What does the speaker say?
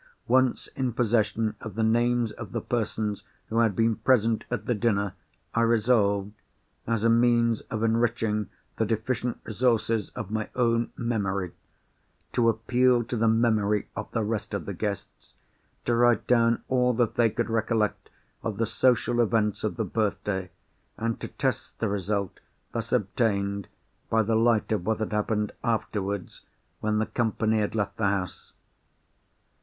Once in possession of the names of the persons who had been present at the dinner, I resolved—as a means of enriching the deficient resources of my own memory—to appeal to the memory of the rest of the guests; to write down all that they could recollect of the social events of the birthday; and to test the result, thus obtained, by the light of what had happened afterwards, when the company had left the house.